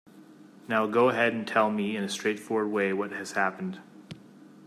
Now go ahead and tell me in a straightforward way what has happened.